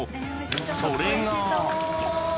［それが］